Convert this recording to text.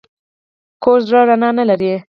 کوږ زړه رڼا نه لري